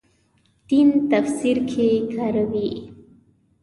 دین تفسیر کې کاروي.